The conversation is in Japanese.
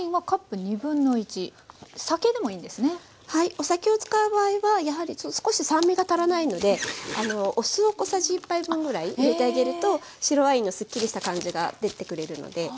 お酒を使う場合はやはり少し酸味が足らないのでお酢を小さじ１杯分ぐらい入れてあげると白ワインのすっきりした感じが出てくれるので。